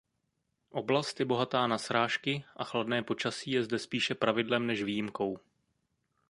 Oblast je bohatá na srážky a chladné počasí je zde spíše pravidlem než výjimkou.